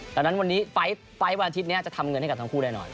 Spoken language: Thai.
ดังนั้นวันนี้ไฟล์วันอาทิตย์นี้จะทำเงินให้กับทั้งคู่แน่นอน